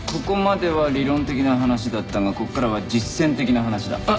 ここまでは理論的な話だったがここからは実践的な話だ。